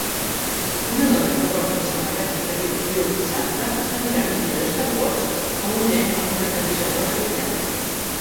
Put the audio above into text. Una dona que porta una samarreta que diu Dear Santa està mirant un llibre de Star Wars amb un nen amb una camisa rosa brillant